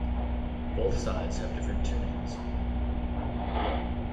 Both sides have different tunings.